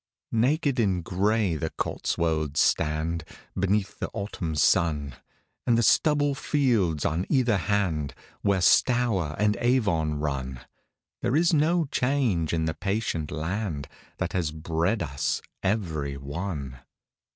Naked and grey the Cotswolds stand Before Beneath the autumn sun, Edgehill And the stubble fields on either hand October Where Stour and Avon run, 1642. There is no change in the patient land That has bred us every one.